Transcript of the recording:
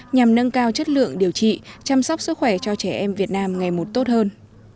nhằm nâng cao chất lượng điều trị chăm sóc sức khỏe cho trẻ em việt nam ngày một tốt hơn